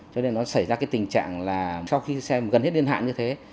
cho nên nó xảy ra cái tình trạng là sau khi xe gần hết liên hạn như thế